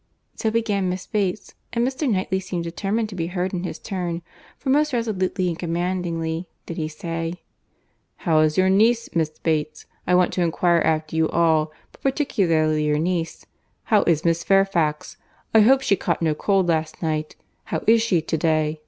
So began Miss Bates; and Mr. Knightley seemed determined to be heard in his turn, for most resolutely and commandingly did he say, "How is your niece, Miss Bates?—I want to inquire after you all, but particularly your niece. How is Miss Fairfax?—I hope she caught no cold last night. How is she to day?